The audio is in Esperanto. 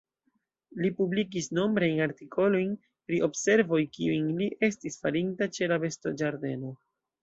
Li publikis nombrajn artikolojn pri observoj kiujn li estis farinta ĉe la bestoĝardeno.